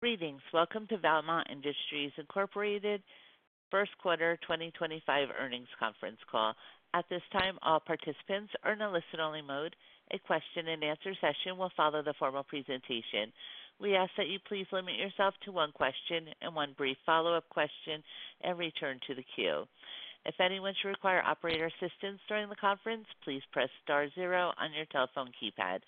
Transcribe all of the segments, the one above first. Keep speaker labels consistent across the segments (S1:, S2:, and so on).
S1: Greetings. Welcome to Valmont Industries' first quarter 2025 earnings conference call. At this time, all participants are in a listen-only mode. A question-and-answer session will follow the formal presentation. We ask that you please limit yourself to one question and one brief follow-up question and return to the queue. If anyone should require operator assistance during the conference, please press star zero on your telephone keypad.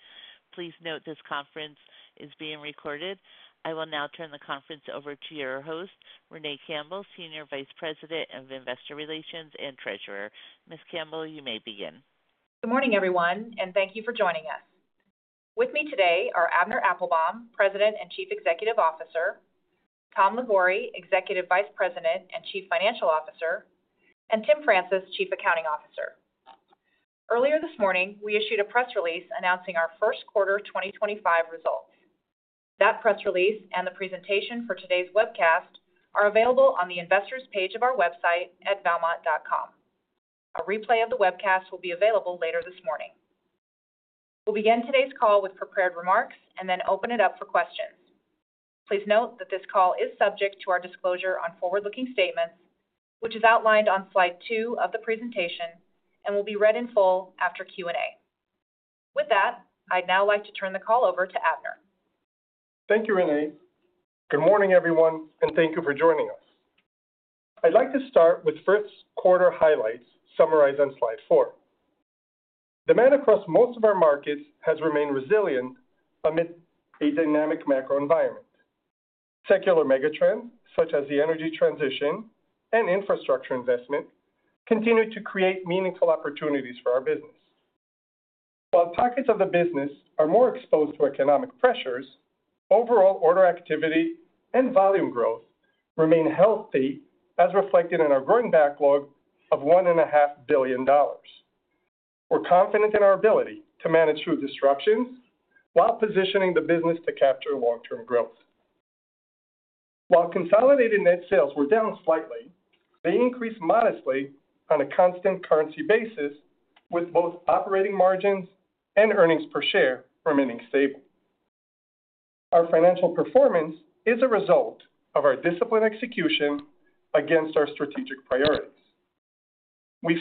S1: Please note this conference is being recorded. I will now turn the conference over to your host, Renee Campbell, Senior Vice President of Investor Relations and Treasurer. Ms. Campbell, you may begin.
S2: Good morning, everyone, and thank you for joining us. With me today are Avner Applbaum, President and Chief Executive Officer; Tom Liguori, Executive Vice President and Chief Financial Officer; and Tim Francis, Chief Accounting Officer. Earlier this morning, we issued a press release announcing our first quarter 2025 results. That press release and the presentation for today's webcast are available on the investors' page of our website at valmont.com. A replay of the webcast will be available later this morning. We'll begin today's call with prepared remarks and then open it up for questions. Please note that this call is subject to our disclosure on forward-looking statements, which is outlined on slide two of the presentation and will be read in full after Q&A. With that, I'd now like to turn the call over to Avner.
S3: Thank you, Renee. Good morning, everyone, and thank you for joining us. I'd like to start with first quarter highlights summarized on slide four. Demand across most of our markets has remained resilient amid a dynamic macro environment. Secular megatrends, such as the energy transition and infrastructure investment, continue to create meaningful opportunities for our business. While pockets of the business are more exposed to economic pressures, overall order activity and volume growth remain healthy, as reflected in our growing backlog of $1.5 billion. We're confident in our ability to manage true disruptions while positioning the business to capture long-term growth. While consolidated net sales were down slightly, they increased modestly on a constant currency basis, with both operating margins and earnings per share remaining stable. Our financial performance is a result of our disciplined execution against our strategic priorities. We've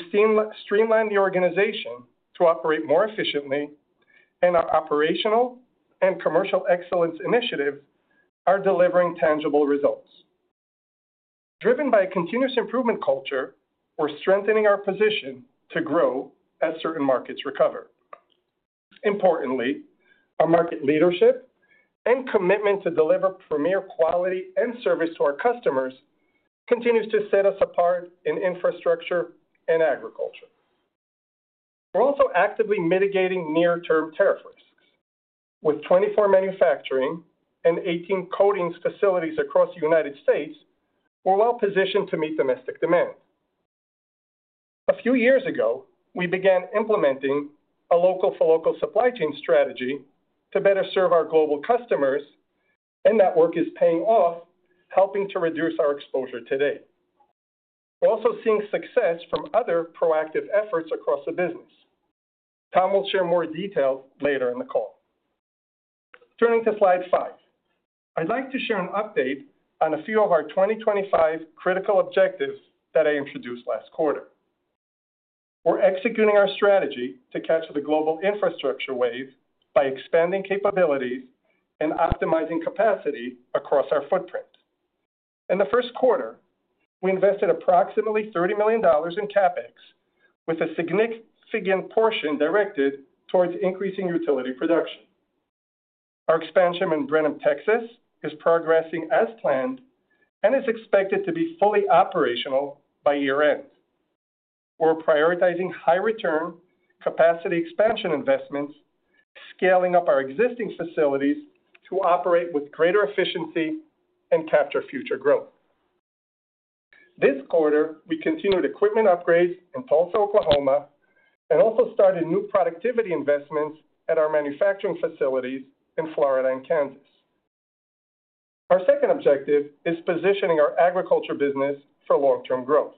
S3: streamlined the organization to operate more efficiently, and our operational and commercial excellence initiatives are delivering tangible results. Driven by a continuous improvement culture, we're strengthening our position to grow as certain markets recover. Importantly, our market leadership and commitment to deliver premier quality and service to our customers continues to set us apart in infrastructure and agriculture. We're also actively mitigating near-term tariff risks. With 24 manufacturing and 18 coatings facilities across the United States, we're well positioned to meet domestic demand. A few years ago, we began implementing a local-for-local supply chain strategy to better serve our global customers, and that work is paying off, helping to reduce our exposure today. We're also seeing success from other proactive efforts across the business. Tom will share more details later in the call. Turning to slide five, I'd like to share an update on a few of our 2025 critical objectives that I introduced last quarter. We're executing our strategy to catch the global infrastructure wave by expanding capabilities and optimizing capacity across our footprint. In the first quarter, we invested approximately $30 million in CapEx, with a significant portion directed towards increasing utility production. Our expansion in Brenham, Texas, is progressing as planned and is expected to be fully operational by year-end. We're prioritizing high-return capacity expansion investments, scaling up our existing facilities to operate with greater efficiency and capture future growth. This quarter, we continued equipment upgrades in Tulsa, Oklahoma, and also started new productivity investments at our manufacturing facilities in Florida and Kansas. Our second objective is positioning our agriculture business for long-term growth.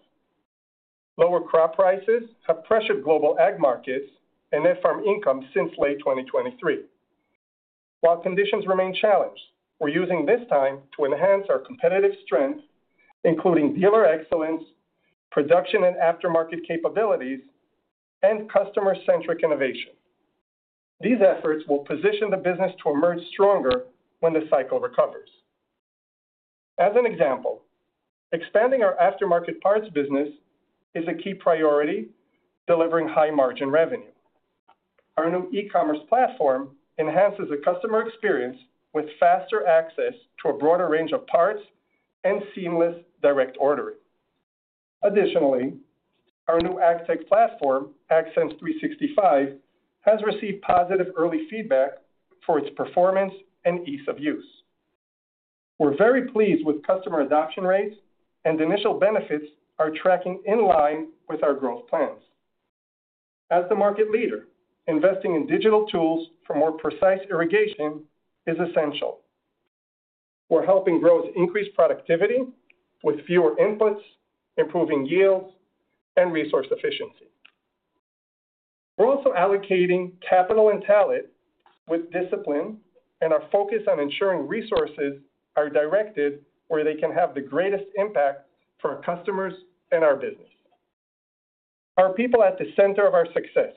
S3: Lower crop prices have pressured global ag markets and net farm income since late 2023. While conditions remain challenged, we're using this time to enhance our competitive strength, including dealer excellence, production and aftermarket capabilities, and customer-centric innovation. These efforts will position the business to emerge stronger when the cycle recovers. As an example, expanding our aftermarket parts business is a key priority, delivering high-margin revenue. Our new e-commerce platform enhances the customer experience with faster access to a broader range of parts and seamless direct ordering. Additionally, our new AgTech platform, AgSense 365, has received positive early feedback for its performance and ease of use. We're very pleased with customer adoption rates, and initial benefits are tracking in line with our growth plans. As the market leader, investing in digital tools for more precise irrigation is essential. We're helping growers increase productivity with fewer inputs, improving yields, and resource efficiency. We're also allocating capital and talent with discipline and our focus on ensuring resources are directed where they can have the greatest impact for our customers and our business. Our people are at the center of our success.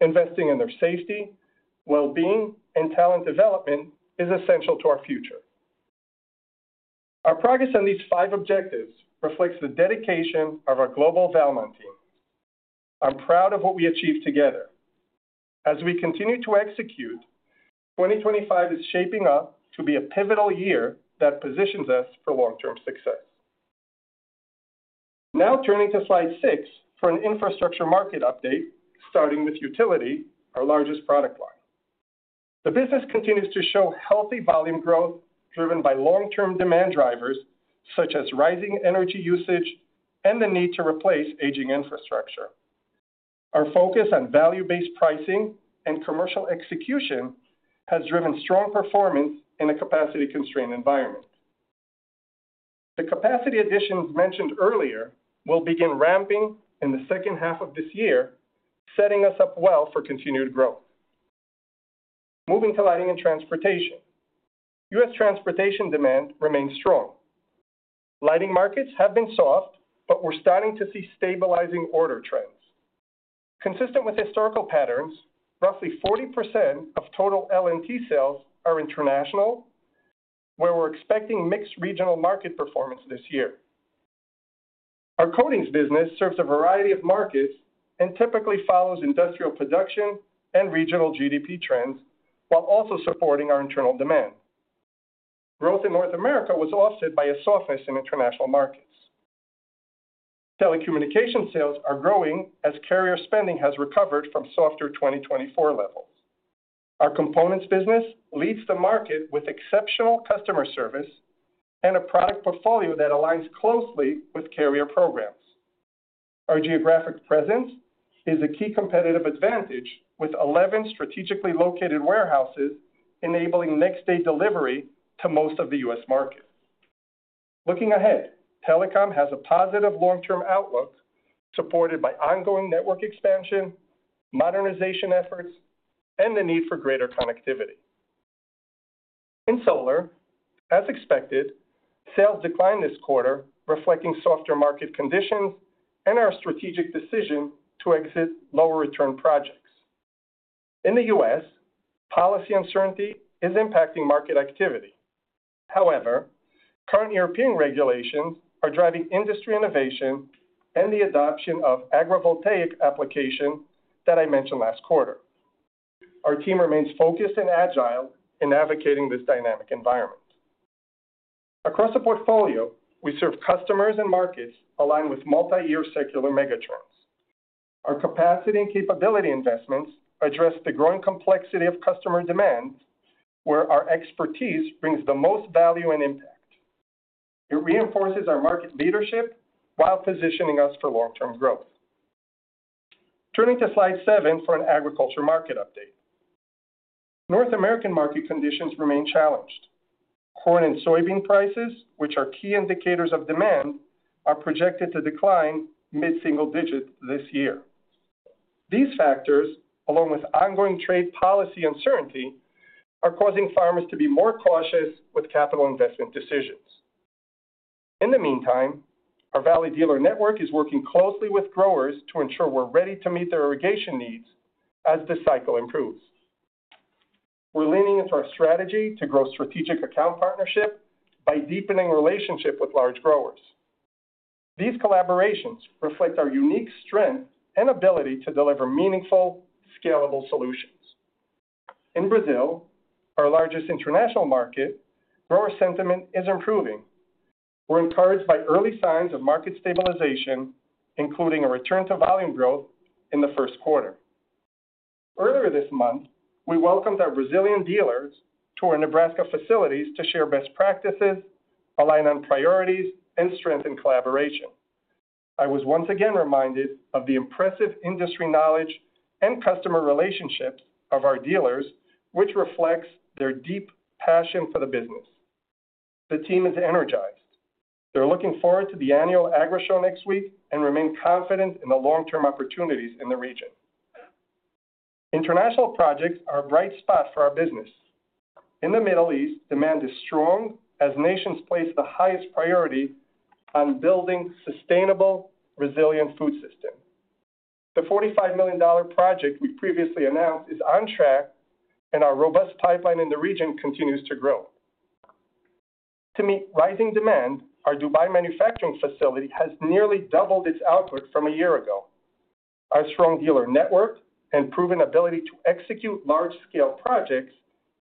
S3: Investing in their safety, well-being, and talent development is essential to our future. Our progress on these five objectives reflects the dedication of our global Valmont team. I'm proud of what we achieved together. As we continue to execute, 2025 is shaping up to be a pivotal year that positions us for long-term success. Now turning to slide six for an infrastructure market update, starting with utility, our largest product line. The business continues to show healthy volume growth driven by long-term demand drivers such as rising energy usage and the need to replace aging infrastructure. Our focus on value-based pricing and commercial execution has driven strong performance in a capacity-constrained environment. The capacity additions mentioned earlier will begin ramping in the second half of this year, setting us up well for continued growth. Moving to lighting and transportation. U.S. transportation demand remains strong. Lighting markets have been soft, but we're starting to see stabilizing order trends. Consistent with historical patterns, roughly 40% of total L&T sales are international, where we're expecting mixed regional market performance this year. Our coatings business serves a variety of markets and typically follows industrial production and regional GDP trends while also supporting our internal demand. Growth in North America was offset by a softness in international markets. Telecommunication sales are growing as carrier spending has recovered from softer 2024 levels. Our components business leads the market with exceptional customer service and a product portfolio that aligns closely with carrier programs. Our geographic presence is a key competitive advantage, with 11 strategically located warehouses enabling next-day delivery to most of the U.S. market. Looking ahead, telecom has a positive long-term outlook supported by ongoing network expansion, modernization efforts, and the need for greater connectivity. In solar, as expected, sales declined this quarter, reflecting softer market conditions and our strategic decision to exit lower-return projects. In the U.S., policy uncertainty is impacting market activity. However, current European regulations are driving industry innovation and the adoption of agrivoltaic application that I mentioned last quarter. Our team remains focused and agile in advocating this dynamic environment. Across the portfolio, we serve customers and markets aligned with multi-year secular megatrends. Our capacity and capability investments address the growing complexity of customer demand, where our expertise brings the most value and impact. It reinforces our market leadership while positioning us for long-term growth. Turning to slide seven for an agriculture market update. North American market conditions remain challenged. Corn and soybean prices, which are key indicators of demand, are projected to decline mid-single digits this year. These factors, along with ongoing trade policy uncertainty, are causing farmers to be more cautious with capital investment decisions. In the meantime, our Valley dealer network is working closely with growers to ensure we're ready to meet their irrigation needs as the cycle improves. We're leaning into our strategy to grow strategic account partnership by deepening relationships with large growers. These collaborations reflect our unique strength and ability to deliver meaningful, scalable solutions. In Brazil, our largest international market, grower sentiment is improving. We're encouraged by early signs of market stabilization, including a return to volume growth in the first quarter. Earlier this month, we welcomed our Brazilian dealers to our Nebraska facilities to share best practices, align on priorities, and strengthen collaboration. I was once again reminded of the impressive industry knowledge and customer relationships of our dealers, which reflects their deep passion for the business. The team is energized. They're looking forward to the annual Agrishow next week and remain confident in the long-term opportunities in the region. International projects are a bright spot for our business. In the Middle East, demand is strong as nations place the highest priority on building sustainable, resilient food systems. The $45 million project we previously announced is on track, and our robust pipeline in the region continues to grow. To meet rising demand, our Dubai manufacturing facility has nearly doubled its output from a year ago. Our strong dealer network and proven ability to execute large-scale projects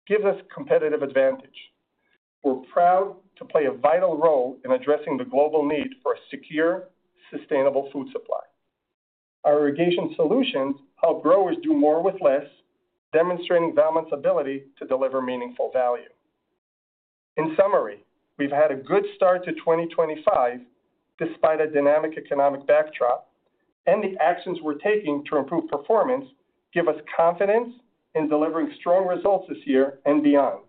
S3: gives us a competitive advantage. We're proud to play a vital role in addressing the global need for a secure, sustainable food supply. Our irrigation solutions help growers do more with less, demonstrating Valmont's ability to deliver meaningful value. In summary, we've had a good start to 2025 despite a dynamic economic backdrop, and the actions we're taking to improve performance give us confidence in delivering strong results this year and beyond.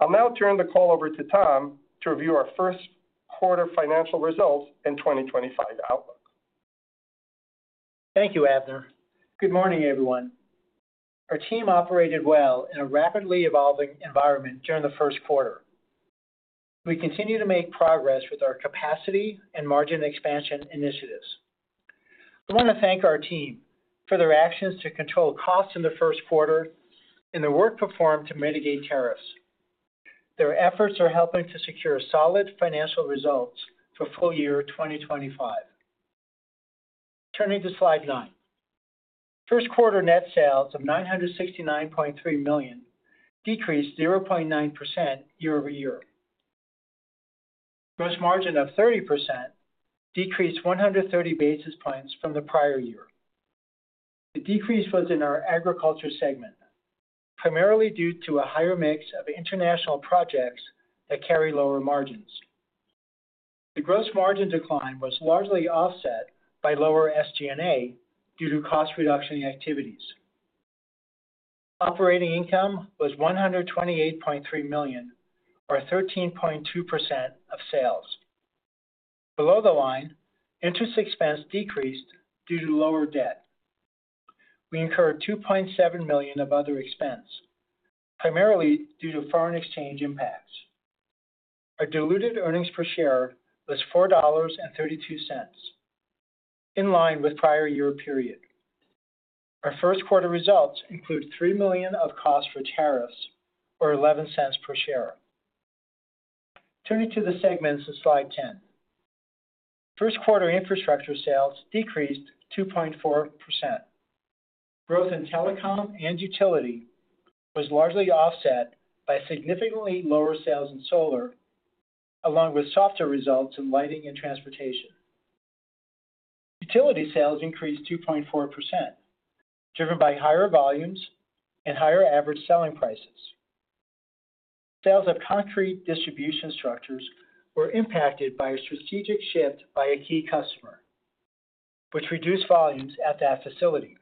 S3: I'll now turn the call over to Tom to review our first quarter financial results and 2025 outlook.
S4: Thank you, Avner. Good morning, everyone. Our team operated well in a rapidly evolving environment during the first quarter. We continue to make progress with our capacity and margin expansion initiatives. I want to thank our team for their actions to control costs in the first quarter and the work performed to mitigate tariffs. Their efforts are helping to secure solid financial results for full year 2025. Turning to slide nine, first quarter net sales of $969.3 million decreased 0.9% year-over-year. Gross margin of 30% decreased 130 basis points from the prior year. The decrease was in our agriculture segment, primarily due to a higher mix of international projects that carry lower margins. The gross margin decline was largely offset by lower SG&A due to cost-reduction activities. Operating income was $128.3 million, or 13.2% of sales. Below the line, interest expense decreased due to lower debt. We incurred $2.7 million of other expense, primarily due to foreign exchange impacts. Our diluted earnings per share was $4.32, in line with prior year period. Our first quarter results include $3 million of costs for tariffs, or $0.11 per share. Turning to the segments in slide 10, first quarter infrastructure sales decreased 2.4%. Growth in telecom and utility was largely offset by significantly lower sales in solar, along with softer results in lighting and transportation. Utility sales increased 2.4%, driven by higher volumes and higher average selling prices. Sales of concrete distribution structures were impacted by a strategic shift by a key customer, which reduced volumes at that facility.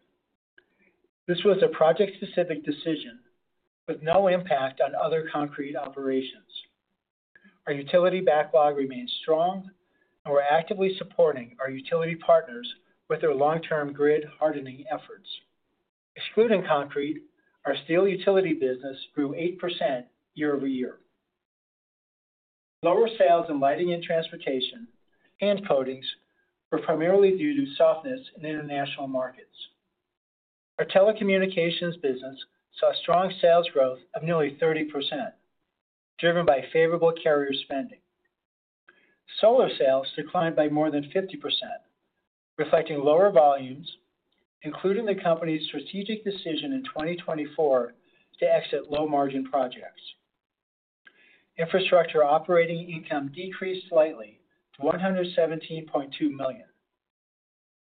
S4: This was a project-specific decision with no impact on other concrete operations. Our utility backlog remains strong, and we're actively supporting our utility partners with their long-term grid hardening efforts. Excluding concrete, our steel utility business grew 8% year-over-year. Lower sales in lighting and transportation and coatings were primarily due to softness in international markets. Our telecommunications business saw strong sales growth of nearly 30%, driven by favorable carrier spending. Solar sales declined by more than 50%, reflecting lower volumes, including the company's strategic decision in 2024 to exit low-margin projects. Infrastructure operating income decreased slightly to $117.2 million.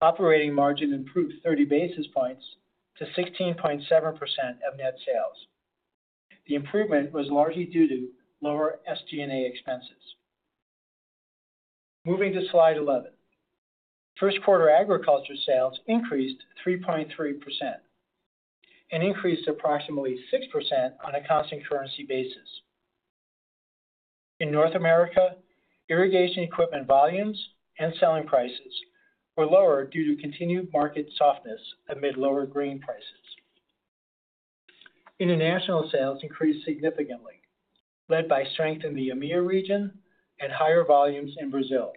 S4: Operating margin improved 30 basis points to 16.7% of net sales. The improvement was largely due to lower SG&A expenses. Moving to slide 11, first quarter agriculture sales increased 3.3%, an increase of approximately 6% on a constant currency basis. In North America, irrigation equipment volumes and selling prices were lower due to continued market softness amid lower grain prices. International sales increased significantly, led by strength in the EMEA region and higher volumes in Brazil.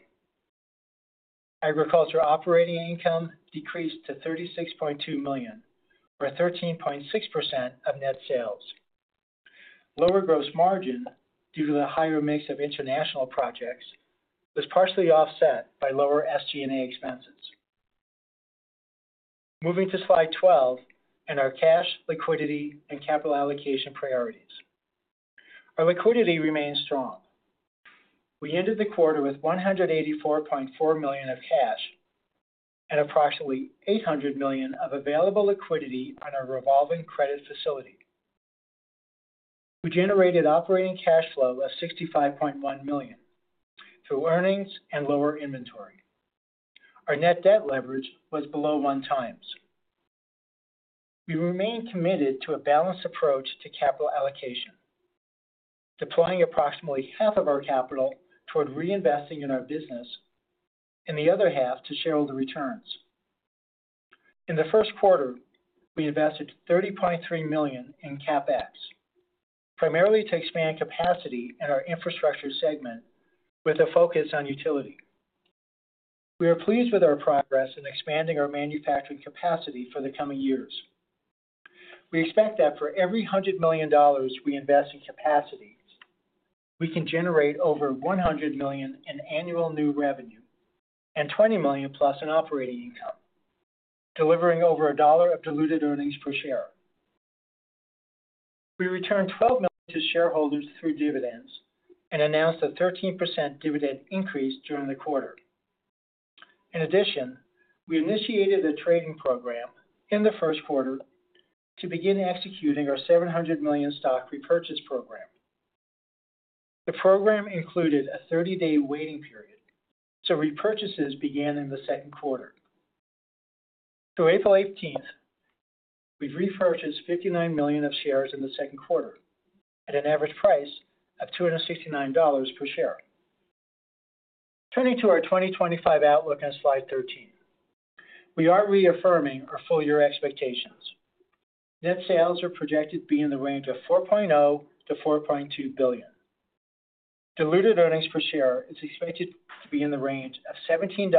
S4: Agriculture operating income decreased to $36.2 million, or 13.6% of net sales. Lower gross margin due to the higher mix of international projects was partially offset by lower SG&A expenses. Moving to slide 12 and our cash, liquidity, and capital allocation priorities. Our liquidity remains strong. We ended the quarter with $184.4 million of cash and approximately $800 million of available liquidity on our revolving credit facility. We generated operating cash flow of $65.1 million through earnings and lower inventory. Our net debt leverage was below one times. We remained committed to a balanced approach to capital allocation, deploying approximately half of our capital toward reinvesting in our business and the other half to shareholder returns. In the first quarter, we invested $30.3 million in CapEx, primarily to expand capacity in our infrastructure segment with a focus on utility. We are pleased with our progress in expanding our manufacturing capacity for the coming years. We expect that for every $100 million we invest in capacity, we can generate over $100 million in annual new revenue and $20 million plus in operating income, delivering over a dollar of diluted earnings per share. We returned $12 million to shareholders through dividends and announced a 13% dividend increase during the quarter. In addition, we initiated a trading program in the first quarter to begin executing our $700 million stock repurchase program. The program included a 30-day waiting period, so repurchases began in the second quarter. Through April 18th, we've repurchased $59 million of shares in the second quarter at an average price of $269 per share. Turning to our 2025 outlook on slide 13, we are reaffirming our full-year expectations. Net sales are projected to be in the range of $4.0 billion-$4.2 billion. Diluted earnings per share is expected to be in the range of $17.20-$18.80.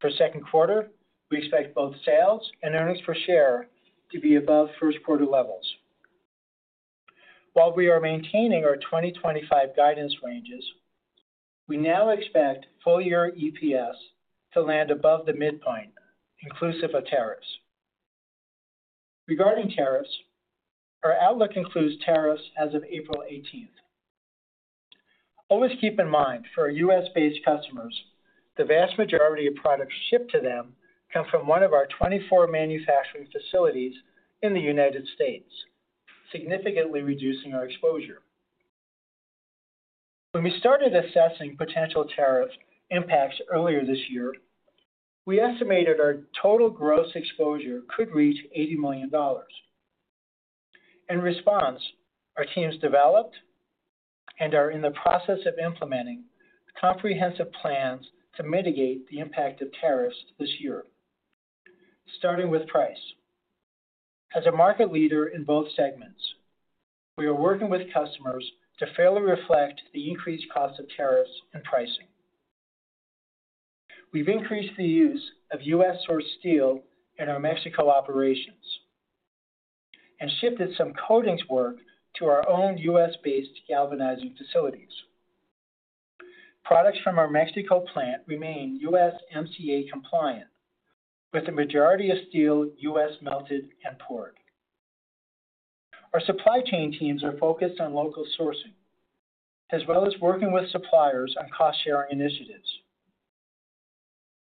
S4: For second quarter, we expect both sales and earnings per share to be above first quarter levels. While we are maintaining our 2025 guidance ranges, we now expect full-year EPS to land above the midpoint, inclusive of tariffs. Regarding tariffs, our outlook includes tariffs as of April 18th. Always keep in mind, for our U.S.-based customers, the vast majority of products shipped to them come from one of our 24 manufacturing facilities in the United States, significantly reducing our exposure. When we started assessing potential tariff impacts earlier this year, we estimated our total gross exposure could reach $80 million. In response, our teams developed and are in the process of implementing comprehensive plans to mitigate the impact of tariffs this year, starting with price. As a market leader in both segments, we are working with customers to fairly reflect the increased cost of tariffs and pricing. We've increased the use of U.S.-sourced steel in our Mexico operations and shifted some coatings work to our own U.S.-based galvanizing facilities. Products from our Mexico plant remain USMCA compliant, with the majority of steel U.S. melted and poured. Our supply chain teams are focused on local sourcing, as well as working with suppliers on cost-sharing initiatives.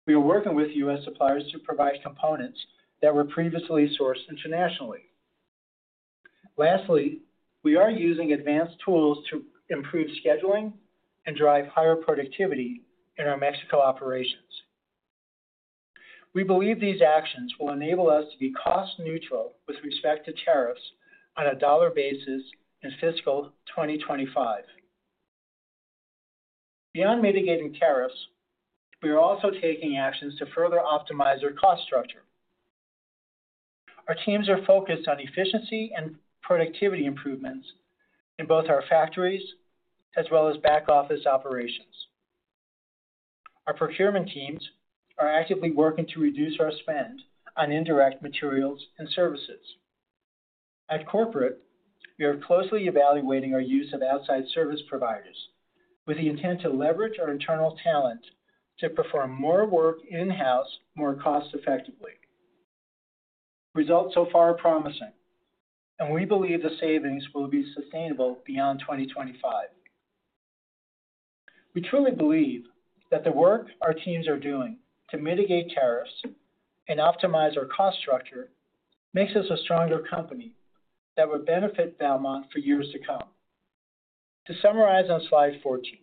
S4: We are working with U.S. suppliers to provide components that were previously sourced internationally. Lastly, we are using advanced tools to improve scheduling and drive higher productivity in our Mexico operations. We believe these actions will enable us to be cost-neutral with respect to tariffs on a dollar basis in fiscal 2025. Beyond mitigating tariffs, we are also taking actions to further optimize our cost structure. Our teams are focused on efficiency and productivity improvements in both our factories as well as back office operations. Our procurement teams are actively working to reduce our spend on indirect materials and services. At corporate, we are closely evaluating our use of outside service providers with the intent to leverage our internal talent to perform more work in-house more cost-effectively. Results so far are promising, and we believe the savings will be sustainable beyond 2025. We truly believe that the work our teams are doing to mitigate tariffs and optimize our cost structure makes us a stronger company that will benefit Valmont for years to come. To summarize on slide 14,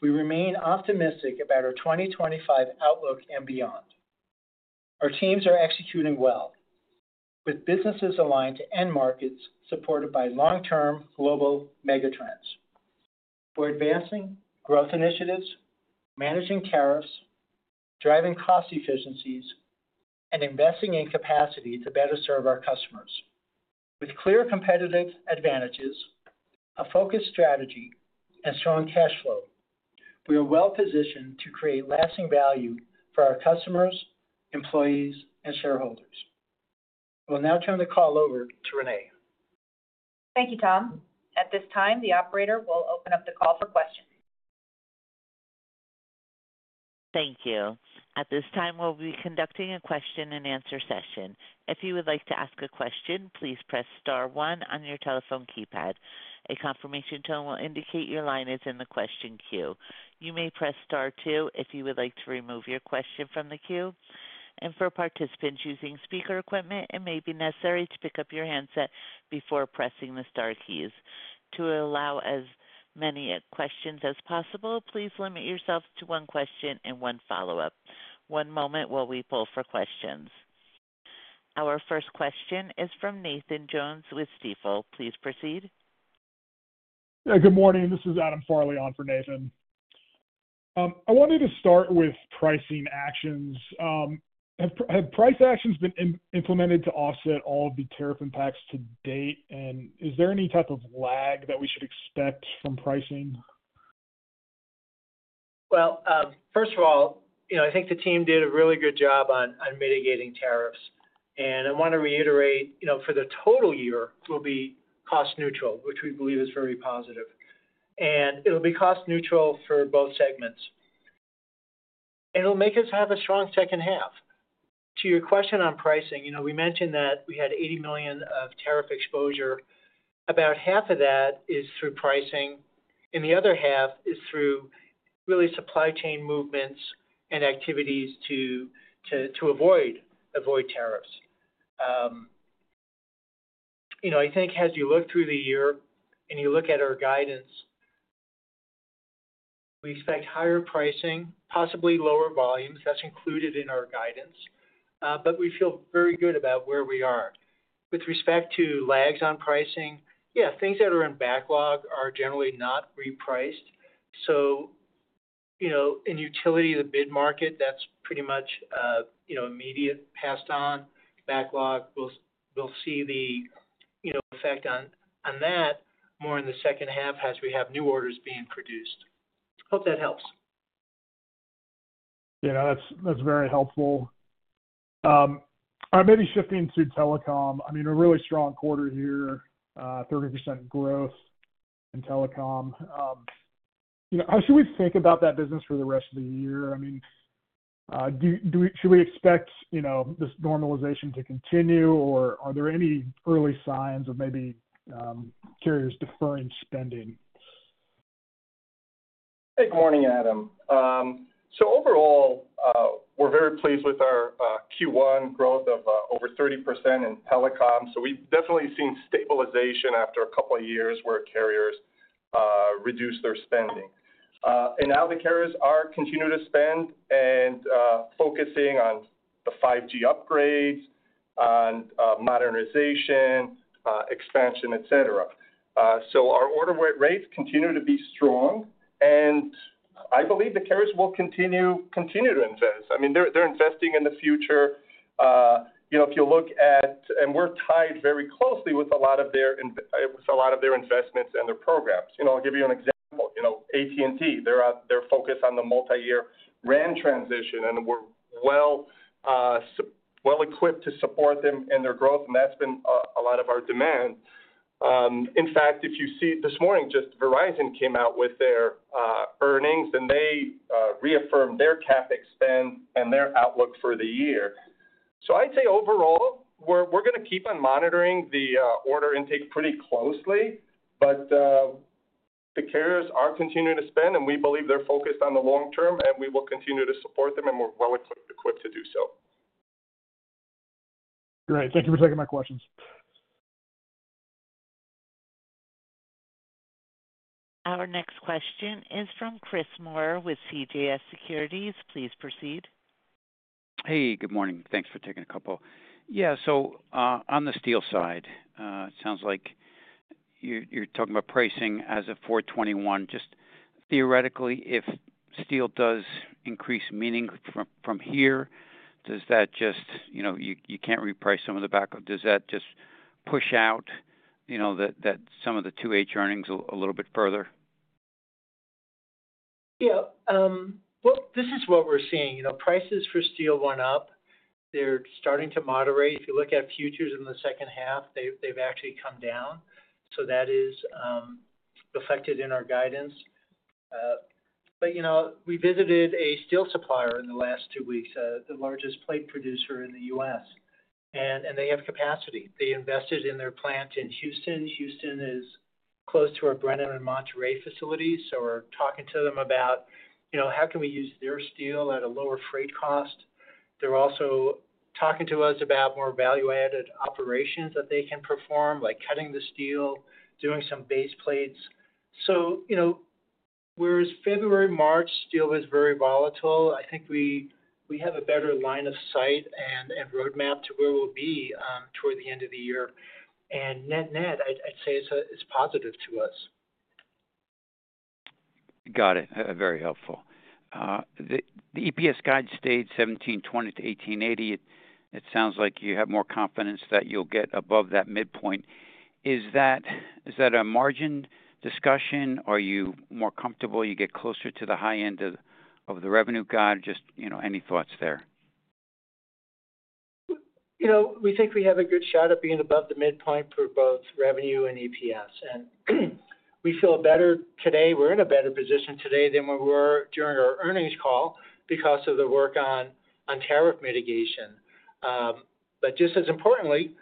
S4: we remain optimistic about our 2025 outlook and beyond. Our teams are executing well, with businesses aligned to end markets supported by long-term global mega trends. We're advancing growth initiatives, managing tariffs, driving cost efficiencies, and investing in capacity to better serve our customers. With clear competitive advantages, a focused strategy, and strong cash flow, we are well-positioned to create lasting value for our customers, employees, and shareholders. I will now turn the call over to Renee.
S2: Thank you, Tom. At this time, the operator will open up the call for questions.
S1: Thank you. At this time, we will be conducting a question-and-answer session. If you would like to ask a question, please press star one on your telephone keypad. A confirmation tone will indicate your line is in the question queue. You may press star two if you would like to remove your question from the queue. For participants using speaker equipment, it may be necessary to pick up your handset before pressing the star keys. To allow as many questions as possible, please limit yourself to one question and one follow-up. One moment while we poll for questions. Our first question is from Nathan Jones with Stifel. Please proceed.
S5: Yeah, good morning. This is Adam Farley on for Nathan. I wanted to start with pricing actions. Have price actions been implemented to offset all of the tariff impacts to date, and is there any type of lag that we should expect from pricing?
S4: First of all, I think the team did a really good job on mitigating tariffs. I want to reiterate, for the total year, we'll be cost-neutral, which we believe is very positive. It'll be cost-neutral for both segments. It'll make us have a strong second half. To your question on pricing, we mentioned that we had $80 million of tariff exposure. About half of that is through pricing, and the other half is through really supply chain movements and activities to avoid tariffs. I think as you look through the year and you look at our guidance, we expect higher pricing, possibly lower volumes. That is included in our guidance. We feel very good about where we are. With respect to lags on pricing, yeah, things that are in backlog are generally not repriced. In utility of the bid market, that is pretty much immediate passed on. Backlog, we will see the effect on that more in the second half as we have new orders being produced. Hope that helps.
S5: Yeah, that is very helpful. Maybe shifting to telecom. I mean, a really strong quarter here, 30% growth in telecom. How should we think about that business for the rest of the year? I mean, should we expect this normalization to continue, or are there any early signs of maybe carriers deferring spending?
S3: Hey, good morning, Adam. Overall, we're very pleased with our Q1 growth of over 30% in telecom. We've definitely seen stabilization after a couple of years where carriers reduced their spending. Now the carriers are continuing to spend and focusing on the 5G upgrades, on modernization, expansion, etc. Our order rates continue to be strong, and I believe the carriers will continue to invest. I mean, they're investing in the future. If you look at, and we're tied very closely with a lot of their investments and their programs. I'll give you an example. AT&T, they're focused on the multi-year RAN transition, and we're well-equipped to support them and their growth, and that's been a lot of our demand. In fact, if you see this morning, just Verizon came out with their earnings, and they reaffirmed their CapEx spend and their outlook for the year. I'd say overall, we're going to keep on monitoring the order intake pretty closely, but the carriers are continuing to spend, and we believe they're focused on the long term, and we will continue to support them, and we're well-equipped to do so.
S5: Great. Thank you for taking my questions.
S1: Our next question is from Chris Moore with CJS Securities. Please proceed.
S6: Hey, good morning. Thanks for taking a couple. Yeah, on the steel side, it sounds like you're talking about pricing as of 4/21. Just theoretically, if steel does increase, meaning from here, does that just—you can't reprice some of the backlog—does that just push out some of the 2H earnings a little bit further?
S3: Yeah. This is what we're seeing. Prices for steel went up. They're starting to moderate. If you look at futures in the second half, they've actually come down. That is reflected in our guidance. We visited a steel supplier in the last two weeks, the largest plate producer in the U.S. They have capacity. They invested in their plant in Houston. Houston is close to our Brenham and Monterrey facilities. We are talking to them about how we can use their steel at a lower freight cost. They are also talking to us about more value-added operations that they can perform, like cutting the steel, doing some base plates. Whereas February, March steel was very volatile, I think we have a better line of sight and roadmap to where we will be toward the end of the year. Net-net, I would say it is positive to us.
S6: Got it. Very helpful. The EPS guide stayed $17.20-$18.80. It sounds like you have more confidence that you will get above that midpoint. Is that a margin discussion? Are you more comfortable you get closer to the high end of the revenue guide? Just any thoughts there?
S3: We think we have a good shot at being above the midpoint for both revenue and EPS. We feel better today. We're in a better position today than we were during our earnings call because of the work on tariff mitigation. Just as importantly,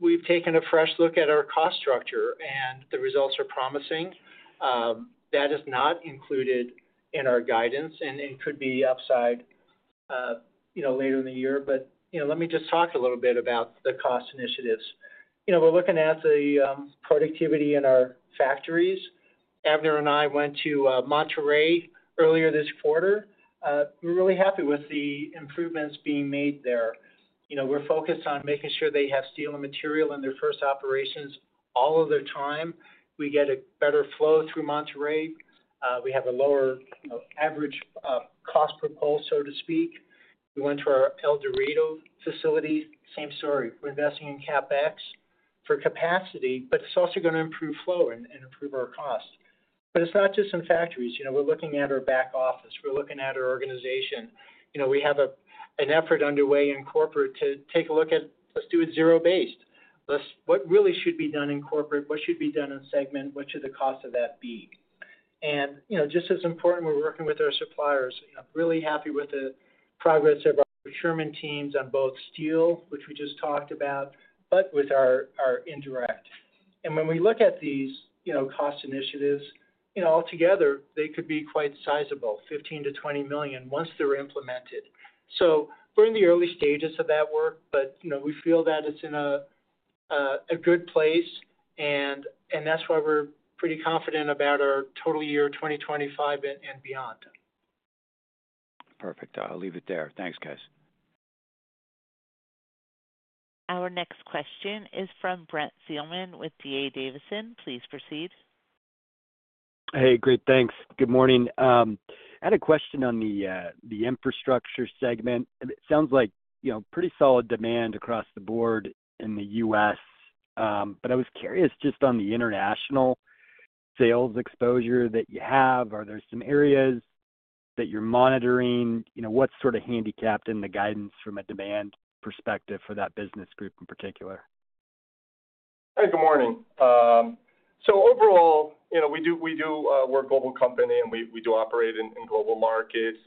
S3: we've taken a fresh look at our cost structure, and the results are promising. That is not included in our guidance, and it could be upside later in the year. Let me just talk a little bit about the cost initiatives. We're looking at the productivity in our factories. Avner and I went to Monterrey earlier this quarter. We're really happy with the improvements being made there. We're focused on making sure they have steel and material in their first operations all of their time. We get a better flow through Monterrey. We have a lower average cost proposal, so to speak. We went to our El Dorado facility. Same story. We're investing in CapEx for capacity, but it's also going to improve flow and improve our cost. It's not just in factories. We're looking at our back office. We're looking at our organization. We have an effort underway in corporate to take a look at, let's do it zero-based. What really should be done in corporate? What should be done in segment? What should the cost of that be? Just as important, we're working with our suppliers. Really happy with the progress of our procurement teams on both steel, which we just talked about, but with our indirect. When we look at these cost initiatives altogether, they could be quite sizable, $15 million-$20 million once they're implemented. We're in the early stages of that work, but we feel that it's in a good place, and that's why we're pretty confident about our total year 2025 and beyond.
S5: Perfect. I'll leave it there. Thanks, guys.
S1: Our next question is from Brent Thielman with D.A. Davidson. Please proceed.
S7: Hey, great. Thanks. Good morning. I had a question on the infrastructure segment. It sounds like pretty solid demand across the board in the U.S. I was curious just on the international sales exposure that you have. Are there some areas that you're monitoring? What's sort of handicapped in the guidance from a demand perspective for that business group in particular?
S3: Good morning. Overall, we do work global company, and we do operate in global markets.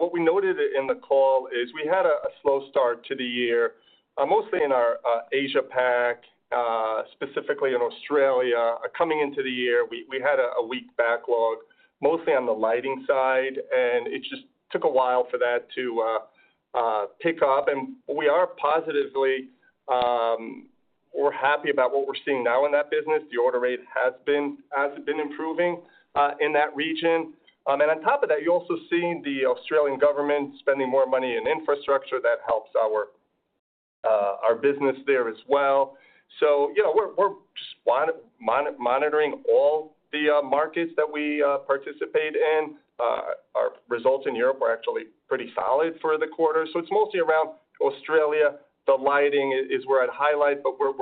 S3: What we noted in the call is we had a slow start to the year, mostly in our Asia-Pac, specifically in Australia. Coming into the year, we had a weak backlog, mostly on the lighting side, and it just took a while for that to pick up. We are positively happy about what we're seeing now in that business. The order rate has been improving in that region. On top of that, you're also seeing the Australian government spending more money in infrastructure. That helps our business there as well. We are just monitoring all the markets that we participate in. Our results in Europe are actually pretty solid for the quarter. It is mostly around Australia. The lighting is where I'd highlight, but we're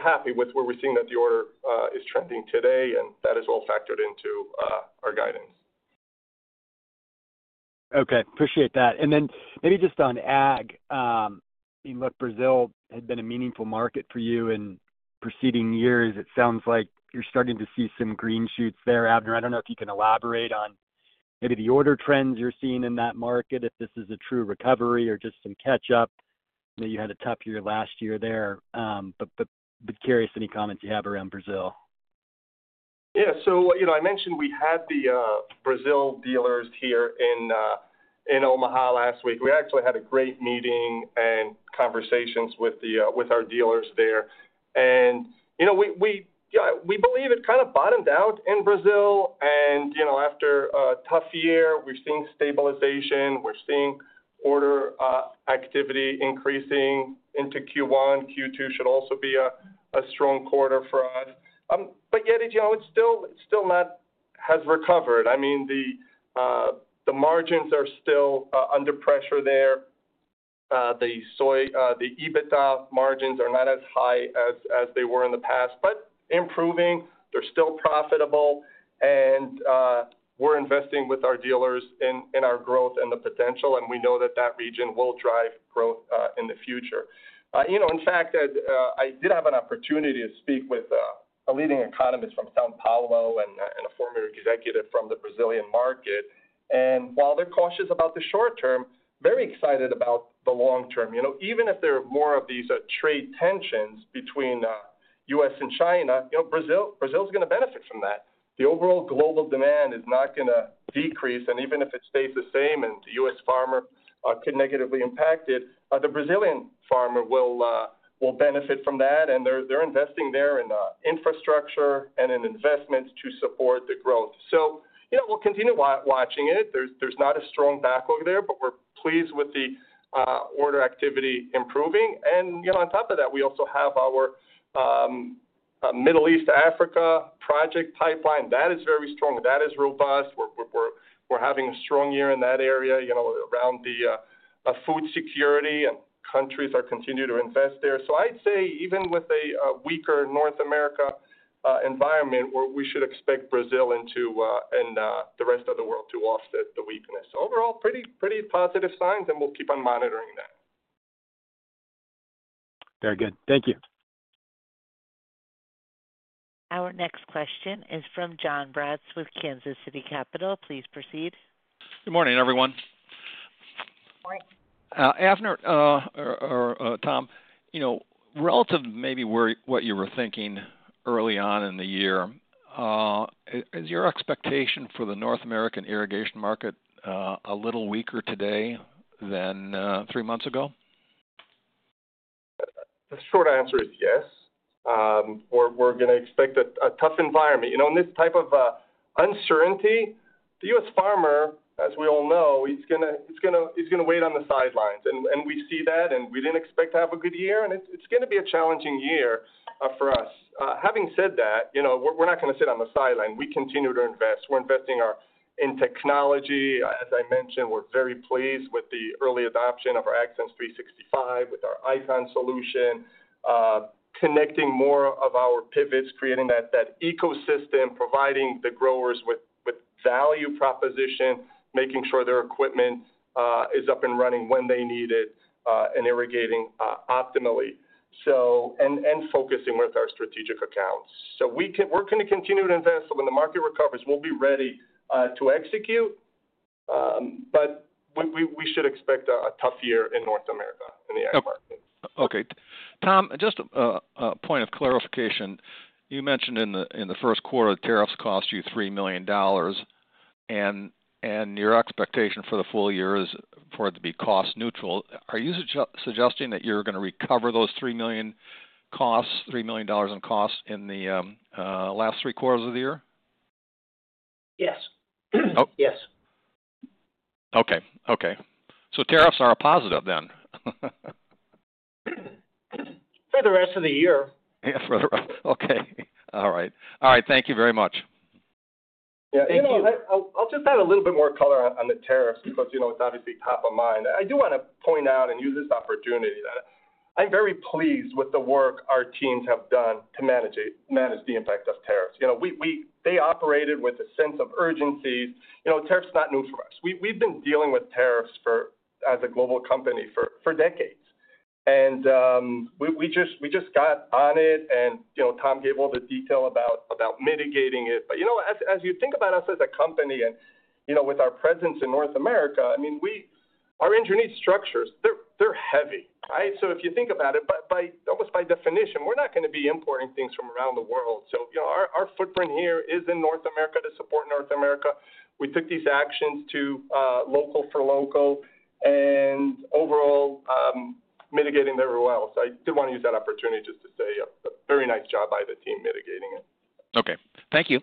S3: happy with where we're seeing that the order is trending today, and that is all factored into our guidance.
S7: Okay. Appreciate that. Maybe just on ag, you look, Brazil had been a meaningful market for you in preceding years. It sounds like you're starting to see some green shoots there, Avner. I don't know if you can elaborate on maybe the order trends you're seeing in that market, if this is a true recovery or just some catch-up. You had a tough year last year there. Curious any comments you have around Brazil.
S3: Yeah. I mentioned we had the Brazil dealers here in Omaha last week. We actually had a great meeting and conversations with our dealers there. We believe it kind of bottomed out in Brazil. After a tough year, we're seeing stabilization. We're seeing order activity increasing into Q1. Q2 should also be a strong quarter for us. Yeah, it still has recovered. I mean, the margins are still under pressure there. The EBITDA margins are not as high as they were in the past, but improving. They're still profitable. And we're investing with our dealers in our growth and the potential, and we know that that region will drive growth in the future. In fact, I did have an opportunity to speak with a leading economist from São Paulo and a former executive from the Brazilian market. While they're cautious about the short term, very excited about the long term. Even if there are more of these trade tensions between the U.S. and China, Brazil is going to benefit from that. The overall global demand is not going to decrease. Even if it stays the same and the U.S. farmer could negatively impact it, the Brazilian farmer will benefit from that. They're investing there in infrastructure and in investments to support the growth. We'll continue watching it. There's not a strong backlog there, but we're pleased with the order activity improving. On top of that, we also have our Middle East Africa project pipeline. That is very strong. That is robust. We're having a strong year in that area around the food security, and countries are continuing to invest there. I'd say even with a weaker North America environment, we should expect Brazil and the rest of the world to offset the weakness. Overall, pretty positive signs, and we'll keep on monitoring that.
S7: Very good. Thank you.
S1: Our next question is from John Braatz with Kansas City Capital. Please proceed.
S8: Good morning, everyone.
S3: Morning.
S8: Avner or Tom, relative to maybe what you were thinking early on in the year, is your expectation for the North American irrigation market a little weaker today than three months ago?
S3: The short answer is yes. We're going to expect a tough environment. In this type of uncertainty, the U.S. farmer, as we all know, is going to wait on the sidelines. We see that, and we didn't expect to have a good year, and it's going to be a challenging year for us. Having said that, we're not going to sit on the sideline. We continue to invest. We're investing in technology. As I mentioned, we're very pleased with the early adoption of our AgSense 365 with our ICON solution, connecting more of our pivots, creating that ecosystem, providing the growers with value proposition, making sure their equipment is up and running when they need it, and irrigating optimally, and focusing with our strategic accounts. We're going to continue to invest. When the market recovers, we'll be ready to execute, but we should expect a tough year in North America in the ag market.
S8: Okay. Tom, just a point of clarification. You mentioned in the first quarter, tariffs cost you $3 million, and your expectation for the full year is for it to be cost-neutral. Are you suggesting that you're going to recover those $3 million in costs in the last three quarters of the year?
S4: Yes.
S3: Yes.
S8: Okay. Okay. So tariffs are a positive then.
S4: For the rest of the year.
S8: For the rest. Okay. All right. All right. Thank you very much.
S3: Yeah. Thank you. I'll just add a little bit more color on the tariffs because it's obviously top of mind. I do want to point out and use this opportunity that I'm very pleased with the work our teams have done to manage the impact of tariffs. They operated with a sense of urgency. Tariffs are not new for us. We've been dealing with tariffs as a global company for decades. We just got on it, and Tom gave all the detail about mitigating it. As you think about us as a company and with our presence in North America, I mean, our engineering structures, they're heavy, right? If you think about it, almost by definition, we're not going to be importing things from around the world. Our footprint here is in North America to support North America. We took these actions to local for local and overall mitigating very well. I did want to use that opportunity just to say a very nice job by the team mitigating it.
S8: Okay. Thank you.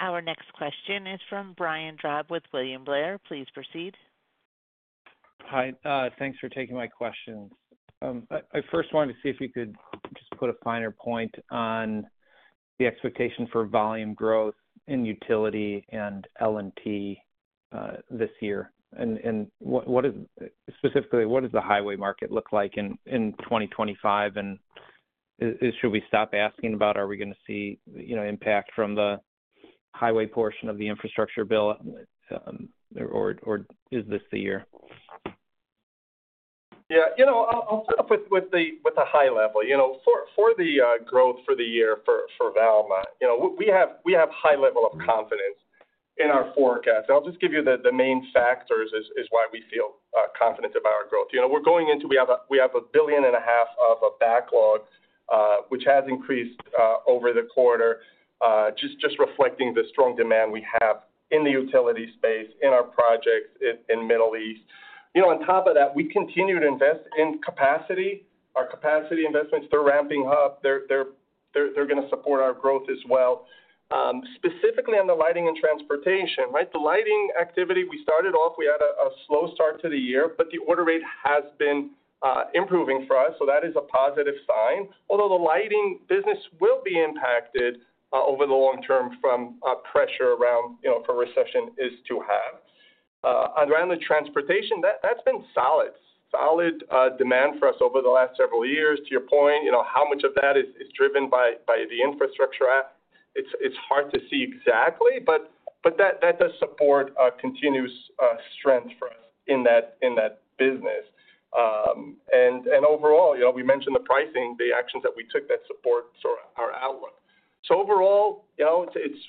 S1: Our next question is from Brian Drab with William Blair. Please proceed.
S9: Hi. Thanks for taking my questions. I first wanted to see if you could just put a finer point on the expectation for volume growth in utility and L&T this year. And specifically, what does the highway market look like in 2025? And should we stop asking about are we going to see impact from the highway portion of the infrastructure bill, or is this the year?
S3: Yeah. I'll start off with the high level. For the growth for the year for Valmont, we have high level of confidence in our forecast. I'll just give you the main factors as why we feel confident about our growth. We're going into—we have $1.5 billion of a backlog, which has increased over the quarter, just reflecting the strong demand we have in the utility space, in our projects, in Middle East. On top of that, we continue to invest in capacity. Our capacity investments, they're ramping up. They're going to support our growth as well. Specifically on the lighting and transportation, right? The lighting activity, we started off, we had a slow start to the year, but the order rate has been improving for us. That is a positive sign. Although the lighting business will be impacted over the long term from pressure around for recession is to have. On the transportation, that's been solid. Solid demand for us over the last several years. To your point, how much of that is driven by the Infrastructure Act? It's hard to see exactly, but that does support continuous strength for us in that business. Overall, we mentioned the pricing, the actions that we took that support our outlook. Overall, it's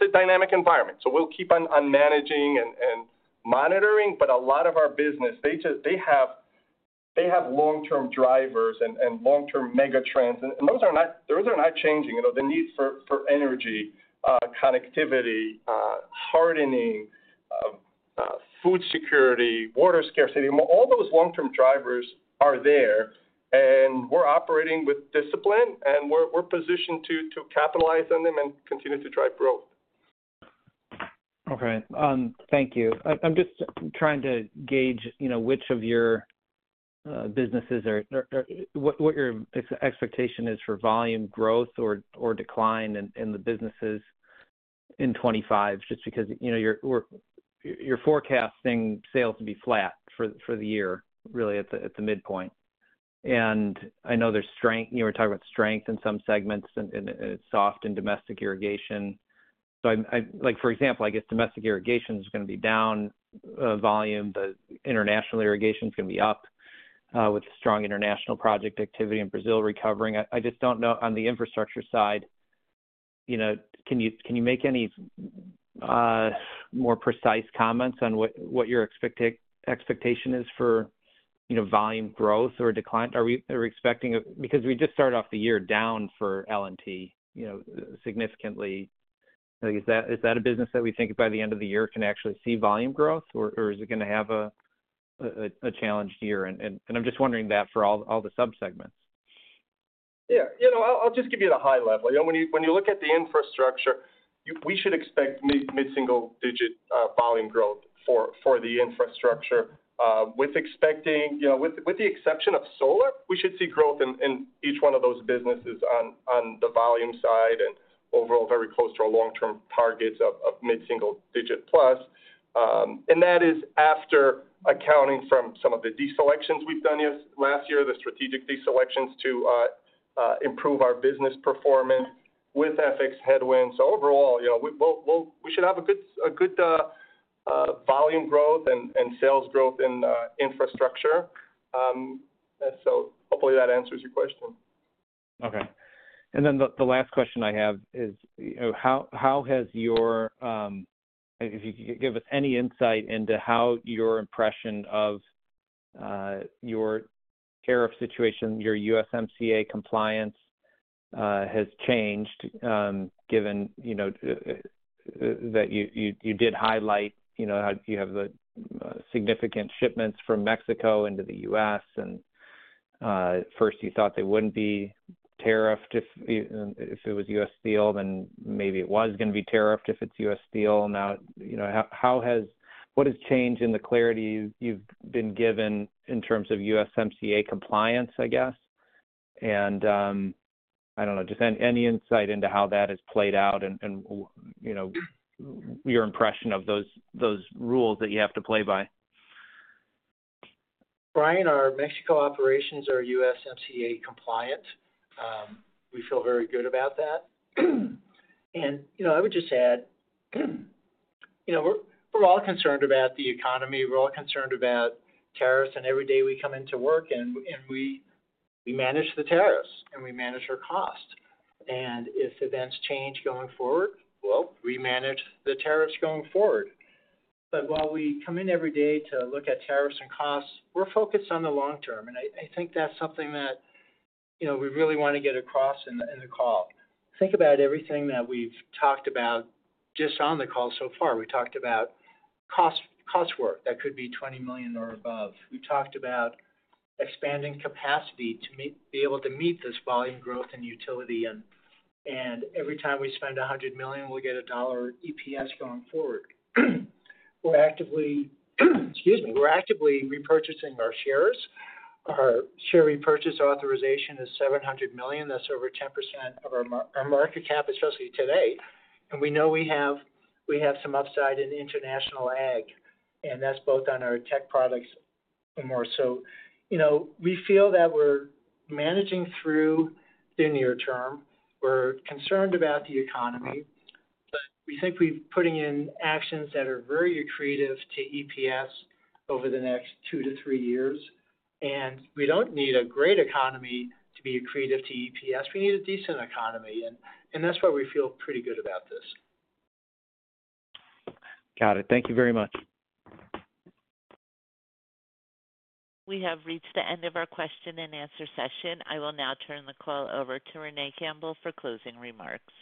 S3: a dynamic environment. We'll keep on managing and monitoring, but a lot of our business, they have long-term drivers and long-term megatrends. Those are not changing. The need for energy, connectivity, hardening, food security, water scarcity, all those long-term drivers are there. We're operating with discipline, and we're positioned to capitalize on them and continue to drive growth.
S9: Okay. Thank you. I'm just trying to gauge which of your businesses or what your expectation is for volume growth or decline in the businesses in 2025, just because you're forecasting sales to be flat for the year, really at the midpoint. I know there's strength. You were talking about strength in some segments and soft in domestic irrigation. For example, I guess domestic irrigation is going to be down volume, but international irrigation is going to be up with strong international project activity in Brazil recovering. I just don't know on the infrastructure side, can you make any more precise comments on what your expectation is for volume growth or decline? Are we expecting, because we just started off the year down for L&T significantly. Is that a business that we think by the end of the year can actually see volume growth, or is it going to have a challenged year? I'm just wondering that for all the subsegments.
S3: Yeah. I'll just give you the high level. When you look at the infrastructure, we should expect mid-single-digit volume growth for the infrastructure. With the exception of solar, we should see growth in each one of those businesses on the volume side and overall very close to our long-term targets of mid-single-digit plus. That is after accounting for some of the deselections we did last year, the strategic deselections to improve our business performance with FX headwinds. Overall, we should have good volume growth and sales growth in infrastructure. Hopefully that answers your question.
S9: Okay. The last question I have is, how has your—if you could give us any insight into how your impression of your tariff situation, your USMCA compliance has changed, given that you did highlight you have significant shipments from Mexico into the U.S. and first you thought they would not be tariffed if it was U.S. steel, then maybe it was going to be tariffed if it is U.S. steel. Now, what has changed in the clarity you have been given in terms of USMCA compliance, I guess? I do not know, just any insight into how that has played out and your impression of those rules that you have to play by?
S3: Brian, our Mexico operations are USMCA compliant. We feel very good about that. I would just add, we are all concerned about the economy. We are all concerned about tariffs. Every day we come into work, and we manage the tariffs, and we manage our costs. If events change going forward, we manage the tariffs going forward. While we come in every day to look at tariffs and costs, we're focused on the long term. I think that's something that we really want to get across in the call. Think about everything that we've talked about just on the call so far. We talked about cost work that could be $20 million or above. We talked about expanding capacity to be able to meet this volume growth in utility. Every time we spend $100 million, we'll get a dollar EPS going forward. We're actively, excuse me, we're actively repurchasing our shares. Our share repurchase authorization is $700 million. That's over 10% of our market cap, especially today. We know we have some upside in international ag, and that's both on our tech products and more. We feel that we're managing through the near term. We're concerned about the economy, but we think we're putting in actions that are very accretive to EPS over the next two to three years. We don't need a great economy to be accretive to EPS. We need a decent economy. That's why we feel pretty good about this.
S9: Got it. Thank you very much.
S1: We have reached the end of our question and answer session. I will now turn the call over to Renee Campbell for closing remarks.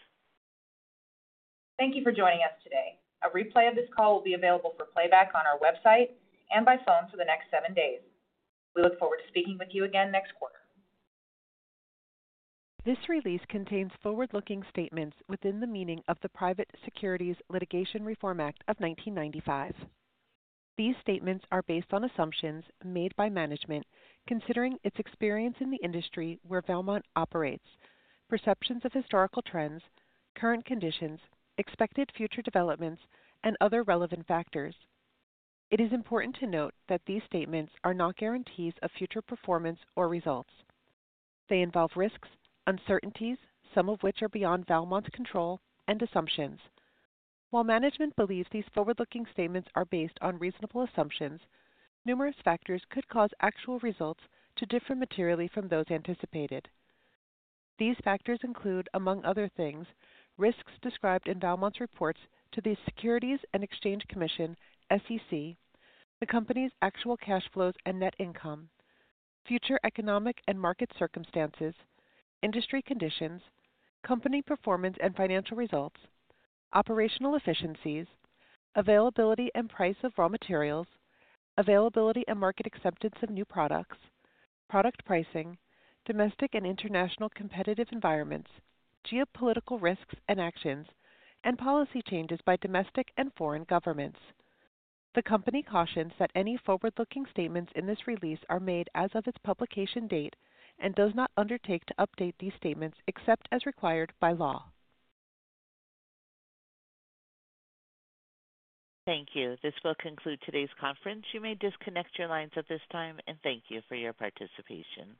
S2: Thank you for joining us today. A replay of this call will be available for playback on our website and by phone for the next seven days. We look forward to speaking with you again next quarter. This release contains forward-looking statements within the meaning of the Private Securities Litigation Reform Act of 1995. These statements are based on assumptions made by management considering its experience in the industry where Valmont operates, perceptions of historical trends, current conditions, expected future developments, and other relevant factors. It is important to note that these statements are not guarantees of future performance or results. They involve risks, uncertainties, some of which are beyond Valmont's control, and assumptions. While management believes these forward-looking statements are based on reasonable assumptions, numerous factors could cause actual results to differ materially from those anticipated. These factors include, among other things, risks described in Valmont's reports to the Securities and Exchange Commission, SEC, the company's actual cash flows and net income, future economic and market circumstances, industry conditions, company performance and financial results, operational efficiencies, availability and price of raw materials, availability and market acceptance of new products, product pricing, domestic and international competitive environments, geopolitical risks and actions, and policy changes by domestic and foreign governments. The company cautions that any forward-looking statements in this release are made as of its publication date and does not undertake to update these statements except as required by law.
S1: Thank you. This will conclude today's conference. You may disconnect your lines at this time, and thank you for your participation.